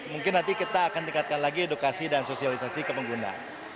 maka tingkatkan lagi edukasi dan sosialisasi ke pengguna